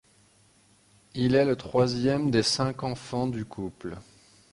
Il est le troisième des cinq enfants du couple.